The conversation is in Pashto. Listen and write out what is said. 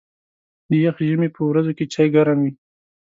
د یخ ژمي په ورځو کې چای ګرم وي.